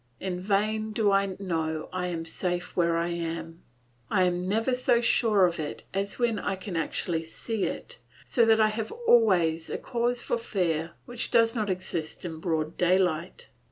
In vain do I know I am safe where I am; I am never so sure of it as when I can actually see it, so that I have always a cause for fear which did not exist in broad daylight.